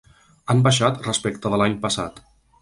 Han baixat respecte de l’any passat.